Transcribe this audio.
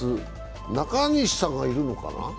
中西さんがいるのかな？